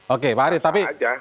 oke pak arief tapi